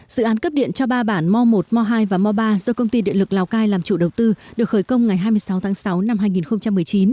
dự án cấp điện cho ba bản mò một mò hai và mò ba do công ty điện lực lào cai làm chủ đầu tư được khởi công ngày hai mươi sáu tháng sáu năm hai nghìn một mươi chín